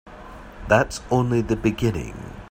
That's only the beginning.